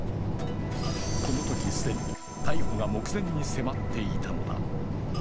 このとき既に逮捕が目前に迫っていたのだ。